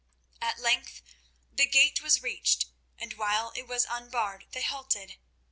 At length the gate was reached, and while it was unbarred they halted.